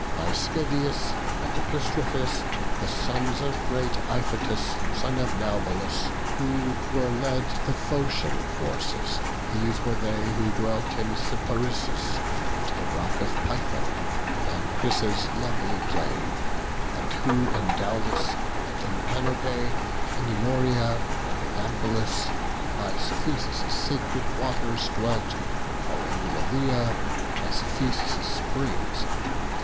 By Schedius and Epistrophus, the sons Of great Iphitus, son of Naubolus, Were led the Phocian forces; these were they Who dwelt in Cyparissus, and the rock Of Python, and on Crissa's lovely plain; And who in Daulis, and in Panope, Anemorea and IIyampolis, And by Cephisus' sacred waters dwelt, Or in Lilaea, by Cephisus' springs.